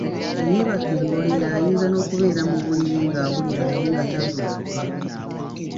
Eyeebaka emboleera ayinza n’okubeera mu buliri ng’awulira naye nga tazuukuka.